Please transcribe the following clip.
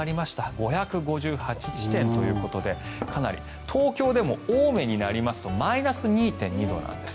５５８地点ということで東京でも青梅になりますとマイナス２．２度なんです。